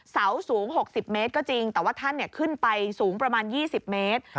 เสาสูง๖๐เมตรก็จริงแต่ว่าท่านขึ้นไปสูงประมาณ๒๐เมตร